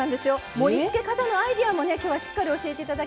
盛りつけ方のアイデアも今日はしっかり教えて頂きたいと思いますので。